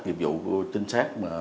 nhiệm vụ của chính xác